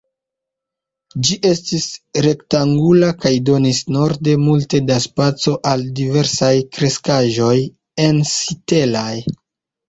Ĝi estis rektangula kaj donis norde multe da spaco al diversaj kreskaĵoj ensitelaj.